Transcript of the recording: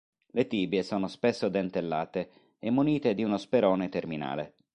Le tibie sono spesso dentellate e munite di uno sperone terminale.